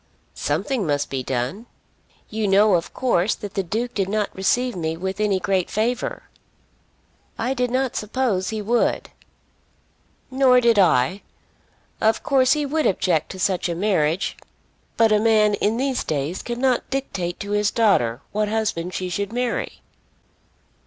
"Something must be done! You know of course that the Duke did not receive me with any great favour." "I did not suppose he would." "Nor did I. Of course he would object to such a marriage. But a man in these days cannot dictate to his daughter what husband she should marry."